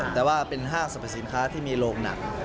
แต่ว่าเป็นห้างสรรพสินค้าที่มีโรงหนัก